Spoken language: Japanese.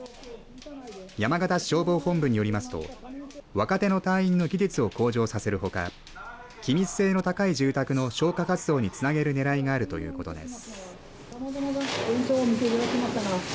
山形市消防本部によりますと若手の隊員の技術を向上させるほか気密性の高い住宅の消火活動につなげるねらいがあるということです。